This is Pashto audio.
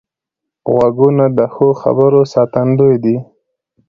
غوږونه د ښو خبرو ساتندوی دي